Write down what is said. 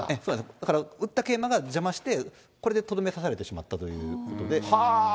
だから打った桂馬が邪魔して、これでとどめをさされてしまったということで。